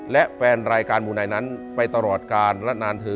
และแฟนรายการหมู่ไหนนั้นไปตลอดกาลและนานเธอ